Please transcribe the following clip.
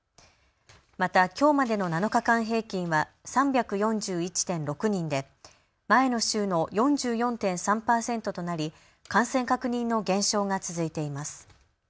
また、きょうまでの７日間平均は３４１．６人で前の週の４４．３％となり感染確認の減少が続いています。